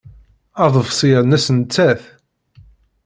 Aḍebsi-a nnes nettat.